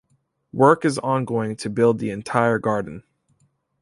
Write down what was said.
Work is ongoing to build the entire garden.